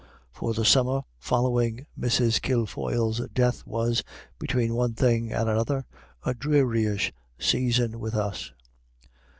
For the summer following Mrs. Kilfoyle's death was, between one thing and another, a drearyish season with us.